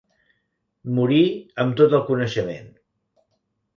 Morir amb tot el coneixement.